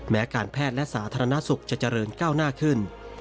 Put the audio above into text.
แม้การแพทย์และสาธารณสุขจะเจริญก้าวหน้าขึ้น